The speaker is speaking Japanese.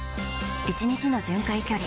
１日の巡回距離